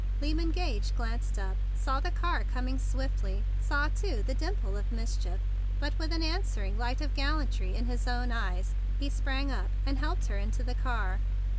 Lyman Gage glanced up, saw the car coming swiftly; saw, too, the dimple of mischief; but with an answering light of gallantly in his own eyes he sprang up and helped her into the car.